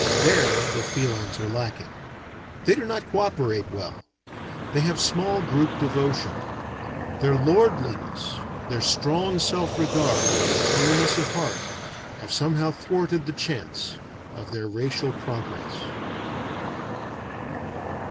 There the felines are lacking. They do not co operate well; they have small group devotion. Their lordliness, their strong self regard, and their coolness of heart, have somehow thwarted the chance of their racial progress.